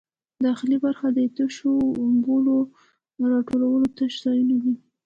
داخلي برخه د تشو بولو د راټولولو تش ځایونه دي.